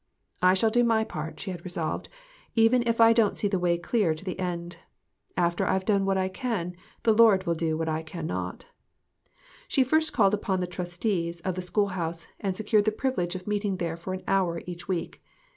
"I shall do my part," she had resolved, "even if I don't see the way clear to the end. After I've done what I can, the Lord will do what I I can not." She first called upon the trustees of the school house, and secured the privilege of meeting there for an hour each week.